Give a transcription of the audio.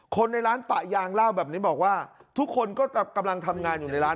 คนในร้านปะยางเล่าแบบนี้บอกว่าทุกคนก็กำลังทำงานอยู่ในร้าน